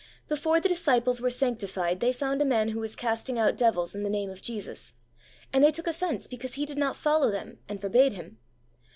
Before the disciples were sanctified, they found a man who was casting out devils in the name of Jesus, and they took offence because he did not follow them ; and forbade him.